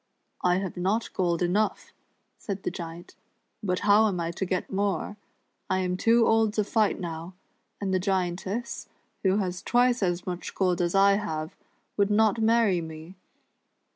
"I have not gold enough," said the Giant; "but how am I to get more. ' I am too old to fight now, and the Giantess, who has twice as much gold as I have, would not marry me.